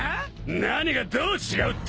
何がどう違うってんだ！